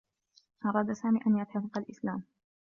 أراد سامي أن يعتنق الإسلام.